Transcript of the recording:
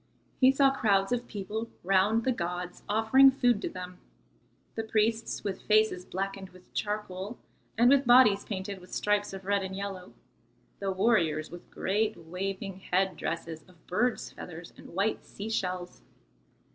He saw crowds of people round the gods offering food to them; the priests with faces blackened with charcoal and with bodies painted with stripes of red and yellow, the warriors with great waving head dresses of birds' feathers and white sea shells.